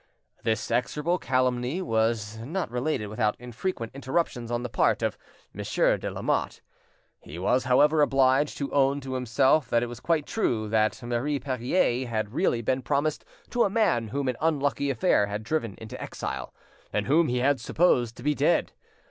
'" This execrable calumny was not related without frequent interruptions on the part of Monsieur de Lamotte. He was, however, obliged to own to himself that it was quite true that Marie Perier had really been promised to a man whom an unlucky affair had driven into exile, and whom he had supposed to be dead.